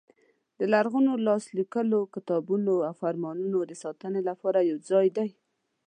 د لرغونو لاس لیکلو کتابونو او فرمانونو د ساتنې لپاره یو ځای دی.